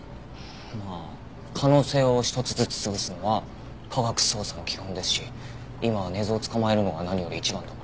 まあ可能性を１つずつ潰すのは科学捜査の基本ですし今は根津を捕まえるのが何より一番だから。